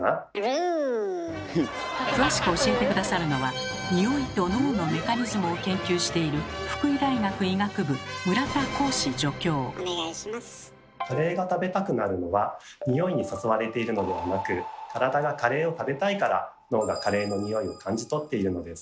詳しく教えて下さるのは匂いと脳のメカニズムを研究しているカレーが食べたくなるのは匂いに誘われているのではなく体がカレーを食べたいから脳がカレーの匂いを感じとっているのです。